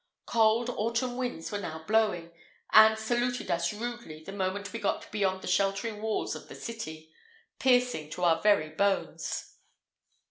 Cold autumn winds were now blowing, and saluted us rudely the moment we got beyond the sheltering walls of the city, piercing to our very bones.